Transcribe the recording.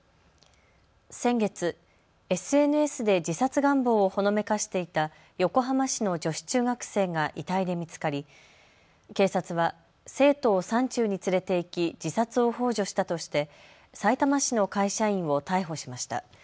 先月、ＳＮＳで自殺願望をほのめかしていた横浜市の女子中学生が遺体で見つかり警察は生徒を山中に連れて行き自殺をほう助したとしてさいたま市の会社員を逮捕しました。